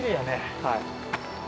はい。